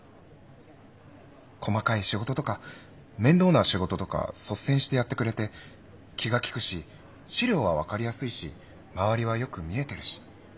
細かい仕事とか面倒な仕事とか率先してやってくれて気が利くし資料は分かりやすいし周りはよく見えてるし。